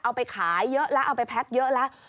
เอาไปขายเยอะแล้วเอาไปแพ็คเยอะแล้ว